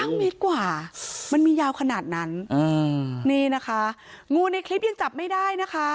เมตรกว่ามันมียาวขนาดนั้นอ่านี่นะคะงูในคลิปยังจับไม่ได้นะคะ